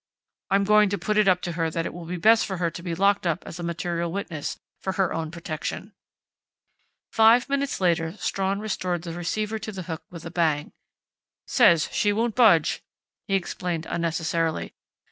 "I'm going to put it up to her that it will be best for her to be locked up as a material witness, for her own protection." Five minutes later Strawn restored the receiver to the hook with a bang. "Says she won't budge!" he explained unnecessarily.